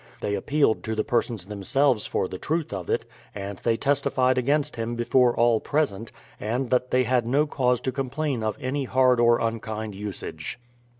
They appealed to the persons themselves for the truth of it, and they testified against him before all present, and that they had no cause to complain of any hard or unkind usage.